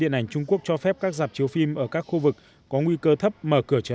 điện ảnh trung quốc cho phép các dạp chiếu phim ở các khu vực có nguy cơ thấp mở cửa trở